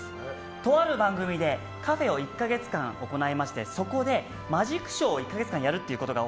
とある番組でカフェを１か月間行いましてそこで、マジックショーを１か月間やるということが